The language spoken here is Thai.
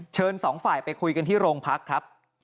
สองฝ่ายไปคุยกันที่โรงพักครับ